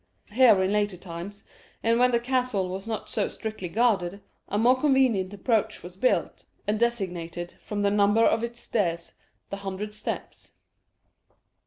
Here in later times, and when the castle was not so strictly guarded, a more convenient approach was built, and designated, from the number of its stairs, "The Hundred Steps."